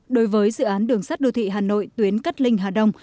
đối với dự án đường sắt đô thị hà nội tuyến cát linh hà đông